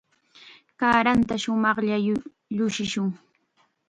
Kaaranta shumaqllam llushikun.